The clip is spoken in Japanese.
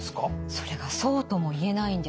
それがそうとも言えないんです。